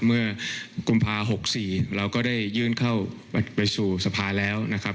เมื่อกุมภา๖๔เราก็ได้ยื่นเข้าไปสู่สภาแล้วนะครับ